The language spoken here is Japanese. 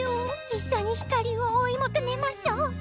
一緒に光を追い求めましょう！え？